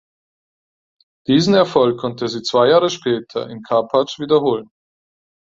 Diesen Erfolg konnte sie zwei Jahre später in Karpacz wiederholen.